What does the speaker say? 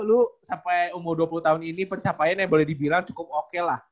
dulu sampai umur dua puluh tahun ini pencapaian yang boleh dibilang cukup oke lah